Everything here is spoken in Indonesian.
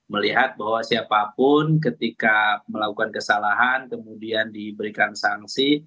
melihat bahwa siapapun ketika melakukan kesalahan kemudian diberikan sanksi